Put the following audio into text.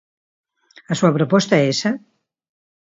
¿A súa proposta é esa?